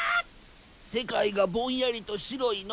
世界がぼんやりと白いの。